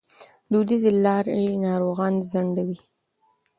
دودیزې لارې ناروغان ځنډوي.